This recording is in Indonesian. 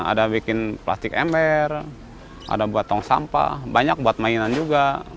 ada bikin plastik ember ada buat tong sampah banyak buat mainan juga